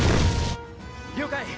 了解！